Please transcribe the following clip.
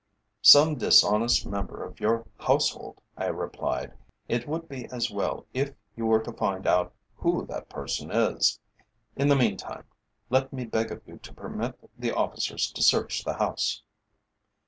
"Some dishonest member of your household," I replied. "It would be as well if you were to find out who that person is. In the meantime, let me beg of you to permit the officers to search the house."